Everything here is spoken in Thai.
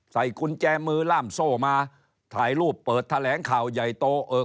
ใส่กุญแจมือล่ามโซ่มาถ่ายรูปเปิดแถลงข่าวใหญ่โตเอิก